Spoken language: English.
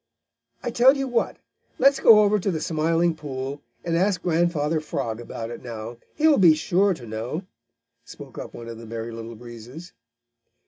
"I tell you what let's go over to the Smiling Pool and ask Grandfather Frog about it now. He'll be sure to know," spoke up one of the Merry Little Breezes.